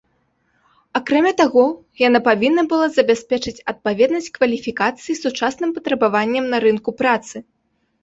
Акрамя таго, яна павінна была забяспечыць адпаведнасць кваліфікацый сучасным патрабаванням на рынку працы.